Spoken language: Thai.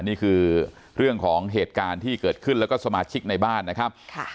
นี่คือเรื่องของเหตุการณ์ที่เกิดขึ้นแล้วก็สมาชิกในบ้านนะครับ